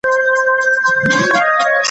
نيت و مراد.